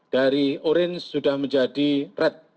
dari orange sudah menjadi red